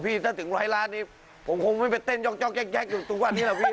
พี่ถ้าถึงร้ายล้านนี้ผมคงไม่ไปเต้นย้องย้องแยกจุกวันนี้หรอกพี่